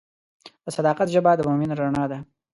د صداقت ژبه د مؤمن رڼا ده.